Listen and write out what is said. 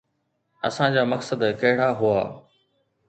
اسان جا مقصد ڪهڙا هئا؟